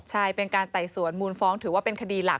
ใช่เป็นการไต่สวนมูลฟ้องถือว่าเป็นคดีหลัก